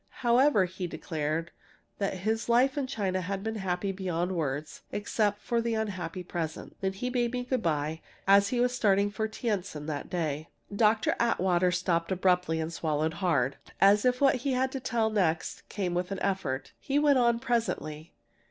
However, he declared that his life in China had been happy beyond words, except for the unhappy present. Then he bade me good by, as he was starting for Tientsin the next day." Dr. Atwater stopped abruptly and swallowed hard, as if what he had to tell next came with an effort. He went on presently.